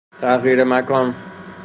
تغییرمکان